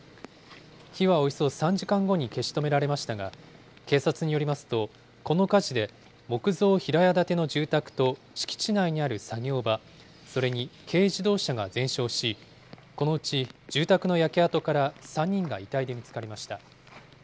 火はおよそ３時間後に消し止められましたが、警察によりますと、この火事で木造平屋建ての住宅と敷地内にある作業場、それに軽自動車が全焼し、このうち住宅の焼け跡から３人が遺体で見つかりました。